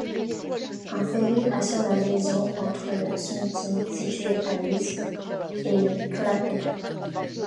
Un ferry assure la liaison entre Smiltynė, située sur l'isthme, et Klaipėda.